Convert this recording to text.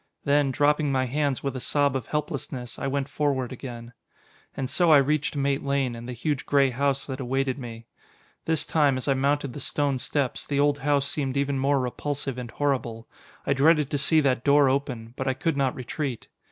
Then, dropping my hands with a sob of helplessness, I went forward again. And so I reached Mate Lane, and the huge gray house that awaited me. This time, as I mounted the stone steps, the old house seemed even more repulsive and horrible. I dreaded to see that door open, but I could not retreat.